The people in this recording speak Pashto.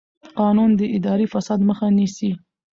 قانون د اداري فساد مخه نیسي.